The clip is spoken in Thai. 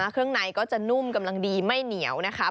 เครื่องในก็จะนุ่มกำลังดีไม่เหนียวนะคะ